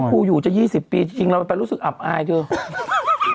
อยู่จะ๒๐ปีจริงเราไปรู้สึกอับอายเถอะ